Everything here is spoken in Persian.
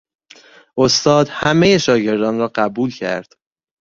استاد همهی شاگردان را قبول کرد.